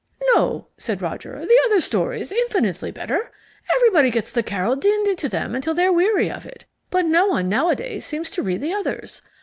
"No," said Roger; "the other stories, infinitely better. Everybody gets the Carol dinned into them until they're weary of it, but no one nowadays seems to read the others.